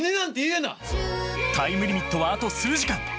タイムリミットはあと数時間。